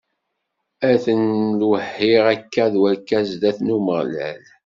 Ad ten-iwehhi akka d wakka zdat n Umeɣlal.